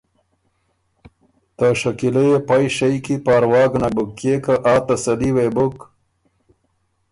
ته شکیلۀ يې پئ شئ کی پاروا ګۀ نک بُک کيې که آ تسلي وې بُک